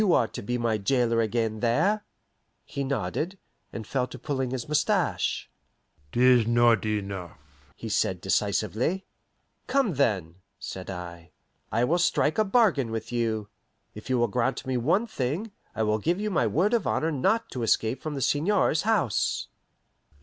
You are to be my jailer again there?" He nodded, and fell to pulling his mustache. "'Tis not enough," he said decisively. "Come, then," said I, "I will strike a bargain with you. If you will grant me one thing, I will give my word of honour not to escape from the seigneur's house."